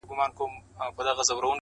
په لغتو مه څیره د خره پالانه-